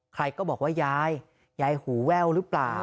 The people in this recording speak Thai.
ใครก็บอกว่ายายยายหูแว่วหรือเปล่า